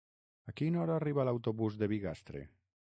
A quina hora arriba l'autobús de Bigastre?